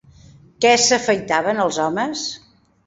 Què s'afaitaven els homes?